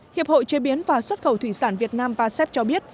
hiệp hội chế biến và xuất khẩu thủy sản việt nam và sep cho biết